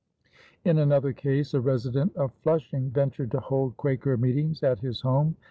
In another case, a resident of Flushing ventured to hold Quaker meetings at his home.